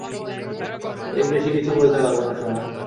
এর বেশি কিছু বলতে পারব না, সোনা।